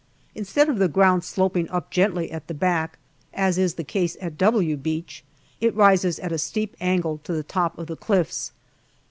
Instead of the ground sloping up gently at the back, as is the case at " W " Beach, it rises at a steep angle to the top of the cliffs.